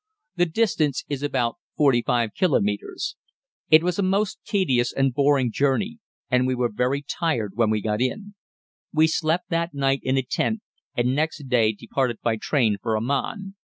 The distance is about 45 kilometres. It was a most tedious and boring journey, and we were very tired when we got in. We slept that night in a tent, and next day departed by train for Aman.